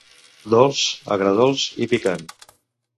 Dolç, Agredolç i Picant.